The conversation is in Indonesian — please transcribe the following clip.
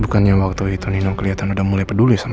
bukannya waktu itu nino kelihatan udah mulai peduli sama